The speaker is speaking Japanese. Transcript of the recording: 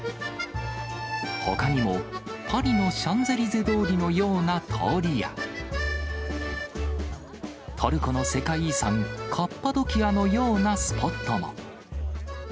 ほかにも、パリのシャンゼリゼ通りのような通りや、トルコの世界遺産、カッパドキアのようなスポットも。